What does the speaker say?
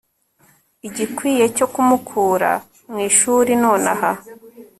igikwiye cyo kumukura mu ishuri nonaha